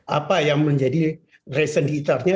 apa yang menjadi resen diitarnya